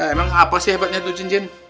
emang apa sih hebatnya itu cincin